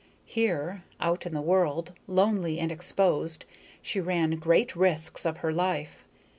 Here, out in the world, lonely and exposed, she ran great risks of her life.